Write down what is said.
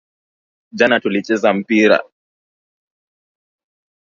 Jana tulicheza mpira .